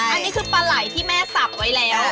อันนี้คือปลาไหล่ที่แม่สับไว้แล้ว